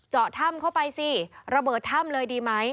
เจาะถ้ำเข้าไปสิระเบิดถ้ำเลยดีไหม